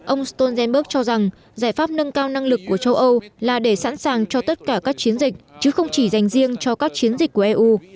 ông stoltenberg cho rằng giải pháp nâng cao năng lực của châu âu là để sẵn sàng cho tất cả các chiến dịch chứ không chỉ dành riêng cho các chiến dịch của eu